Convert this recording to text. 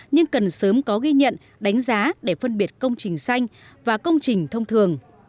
nhưng cần sớm có ghi nhận đánh giá để phân biệt công trình xanh và công trình thông thường